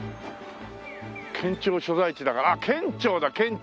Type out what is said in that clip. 県庁所在地だからあっ県庁だ県庁！